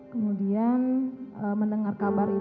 kemudian mendengar kabar